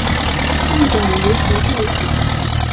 日本围棋故事